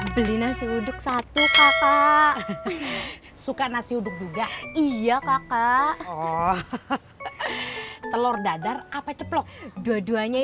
beli nasi uduk satu kakak suka nasi uduk juga iya kakak telur dadar apa ceplok dua duanya